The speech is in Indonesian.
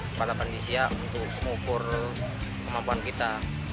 kepala kondisinya untuk mengukur kemampuan kita